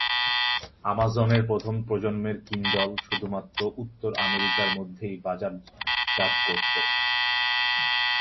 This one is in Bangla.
আমাজন এর প্রথম প্রজন্মের কিন্ডল শুধুমাত্র উত্তর আমেরিকার মধ্যেই বাজারজাত করতো।